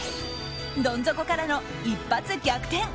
どん底からの一発逆転。